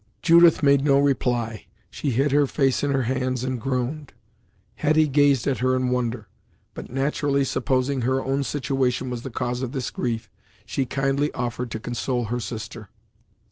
Judith made no reply; she hid her face in her hands and groaned. Hetty gazed at her in wonder; but naturally supposing her own situation was the cause of this grief, she kindly offered to console her sister.